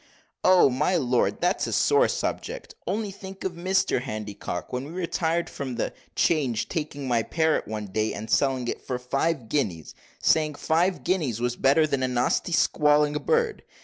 "Oh! my lord, that's a sore subject; only think of Mr Handycock, when we retired from the 'Change, taking my parrot one day and selling it for five guineas, saying, five guineas was better than a nasty squalling, bird.